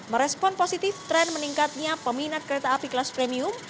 merespon positif tren meningkatnya peminat kereta api kelas premium